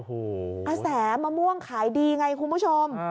โอ้โหอาแสมะม่วงขายดีไงคุณผู้ชม